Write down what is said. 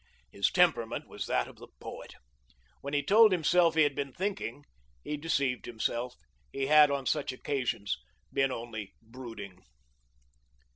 His temperament was that of the poet; when he told himself he had been thinking, he deceived himself. He had, on such occasions, been only brooding.